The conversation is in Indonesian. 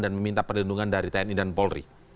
dan meminta perlindungan dari tni dan polri